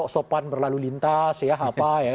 sopan berlalu lintas ya apa ya